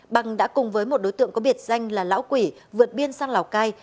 bằng đã cùng với một đối tượng có biệt danh là lão quỷ vượt biên sang lào cai